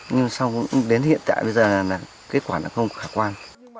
nhưng mà sao cũng đến hiện tại bây giờ là kết quả nó không khả quan